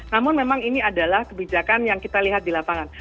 namun memang ini adalah kebijakan yang kita lihat di lapangan